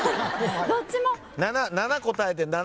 ７答えて７。